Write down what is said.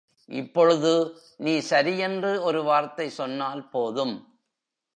இப்பொழுது நீ சரியென்று ஒரு வார்த்தை சென்னால் போதும்.